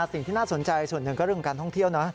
สิ่งที่น่าสนใจส่วนหนึ่งก็เรื่องการท่องเที่ยวนะ